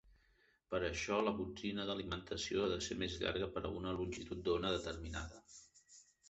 Per això, la botzina d'alimentació ha de ser més llarga per a una longitud d'ona determinada.